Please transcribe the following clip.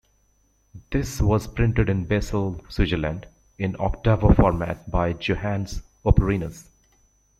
This was printed in Basel, Switzerland in octavo format by Johannes Oporinus.